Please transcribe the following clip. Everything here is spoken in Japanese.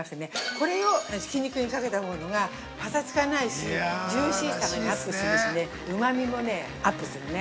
これを引き肉にかけたほうがぱさつかないし、ジューシーさがアップするしねうまみもアップするね。